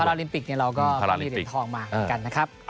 ใช่พาราลิมปิกเนี่ยเราก็ไปที่เหรียญทองมากันนะครับ